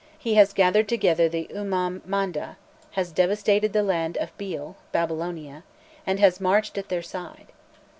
He has gathered together the Umman Manda, has devastated the land of Bel (Babylonia), and [has marched] at their side."